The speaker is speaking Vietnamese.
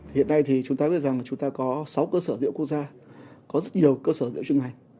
hiện nay thì chúng ta biết rằng chúng ta có sáu cơ sở dữ liệu quốc gia có rất nhiều cơ sở dữ liệu chuyên ngành